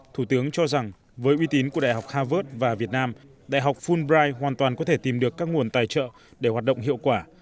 thủ tướng cho rằng với uy tín của đại học harvard và việt nam đại học fulbrigh hoàn toàn có thể tìm được các nguồn tài trợ để hoạt động hiệu quả